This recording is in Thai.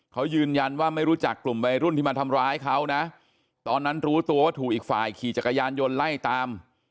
เขายืนยันว่าไม่รู้จักกลุ่มวัยรุ่นที่มาทำร้ายเขานะตอนนั้นรู้ตัวว่าถูกอีกฝ่ายขี่จักรยานยนต์ไล่ตาม